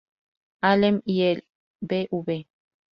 Alem y el Bv.